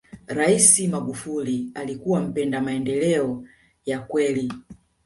raisi magufuli alikuwa mpenda maendeleo ya kweli